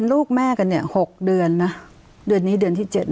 แล้วคุณเบิร์ต